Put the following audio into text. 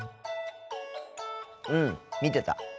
うん見てた。